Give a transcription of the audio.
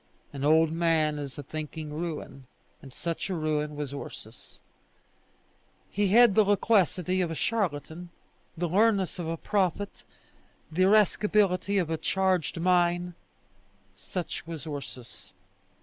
An old man is a thinking ruin; and such a ruin was Ursus. He had the loquacity of a charlatan, the leanness of a prophet, the irascibility of a charged mine: such was Ursus.